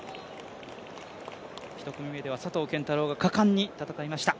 １組目では佐藤拳太郎が果敢に戦いました。